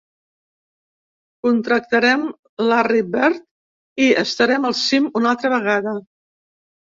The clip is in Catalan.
Contractarem Larry Bird, i estarem al cim una altra vegada.